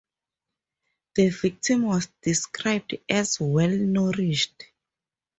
The victim was described as "well nourished".